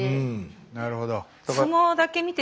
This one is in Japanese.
なるほど。